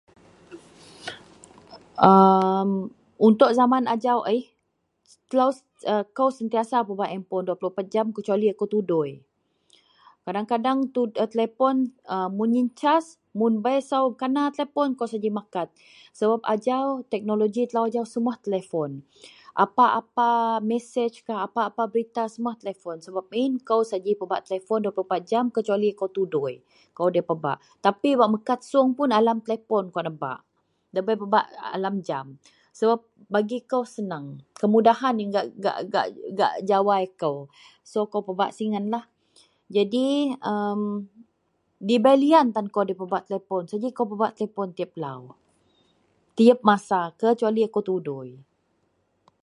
Untuk zaman ajau aku sentiasa bak telepon 24 jam kecuali aku tudui kadang- kadang telepon mun cas bei sau bekana telepon ko saji makat sebab ajau teknoloji telo semua telepon apa-apa mesejkah apa-apa berita semua telepon sebab yian aku saji pebak telepon 24 jam kecuali aku tudui saji debai pebak. Tapi bak mekad song pun bak alam telepon kawa nebak debai pebak alam jam, kemudahan yian gak jawai telo, debai lian tan telo debai pebak telepon tiap masa kecuali aku tudui.